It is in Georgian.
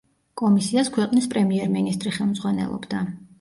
კომისიას ქვეყნის პრემიერ-მინისტრი ხელმძღვანელობდა.